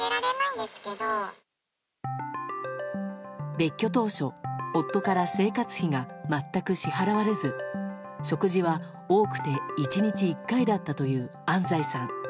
別居当初、夫から生活費が全く支払われず食事は多くて１日１回だったという安西さん。